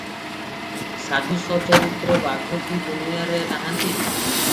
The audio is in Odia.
ସାଧୁସଚରିତ୍ର ବାଘ କି ଦୁନିଆରେ ନାହାନ୍ତି?